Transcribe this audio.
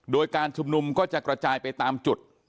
โดยการชุมนุมก็จะกระจายไปตามจุด